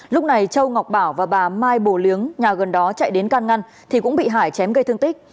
lúc này châu ngọc bảo và bà mai bồ liếng nhà gần đó chạy đến can ngăn thì cũng bị hải chém gây thương tích